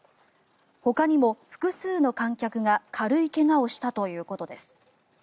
ほかにも複数の観客が軽い怪我をしたということです。